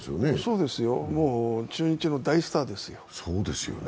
そうですよ、中日の大スターですよ。